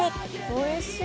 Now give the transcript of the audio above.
おいしい。